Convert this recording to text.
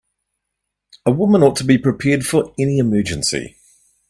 A woman ought to be prepared for any emergency.